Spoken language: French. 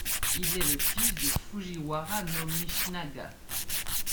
Il est le fils de Fujiwara no Michinaga.